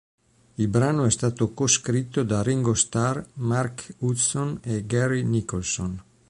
Il brano è stato co-scritto da Ringo Starr, Mark Hudson e Gary Nicholson.